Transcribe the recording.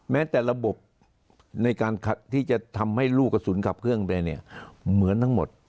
แม้แต่ระบบในการที่จะทำให้ลูกกระสุนขับเครื่องไปเนี่ยเหมือนทั้งหมด